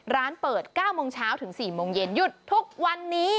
ร้านเปิด๙โมงเช้าถึง๔โมงเย็นหยุดทุกวันนี้